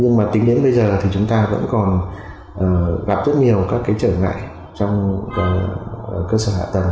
nhưng tính đến bây giờ chúng ta vẫn còn gặp rất nhiều trở ngại trong cơ sở hạ tầng